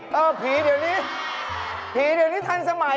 รียญเดี๋ยวนี้ทันสมัย